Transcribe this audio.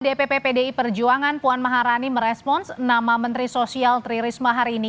dpp pdi perjuangan puan maharani merespons nama menteri sosial tri risma hari ini